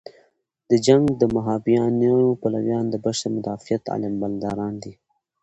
د جنګ د مهابیانیو پلویان د بشر مدافعت علمبرداران دي.